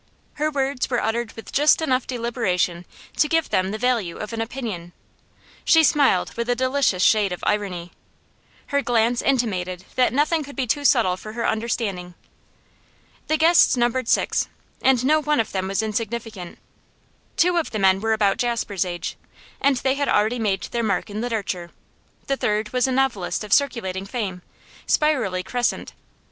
Her words were uttered with just enough deliberation to give them the value of an opinion; she smiled with a delicious shade of irony; her glance intimated that nothing could be too subtle for her understanding. The guests numbered six, and no one of them was insignificant. Two of the men were about Jasper's age, and they had already made their mark in literature; the third was a novelist of circulating fame, spirally crescent.